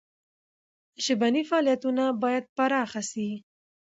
ژبني فعالیتونه باید پراخ سي.